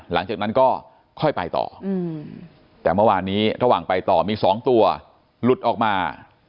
หลังจากนั้นก็ค่อยไปต่อแต่เมื่อวานนี้ระหว่างไปต่อมี๒ตัวหลุดออกมา